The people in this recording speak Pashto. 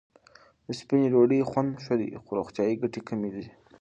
د سپینې ډوډۍ خوند ښه دی، خو روغتیايي ګټې کمې دي.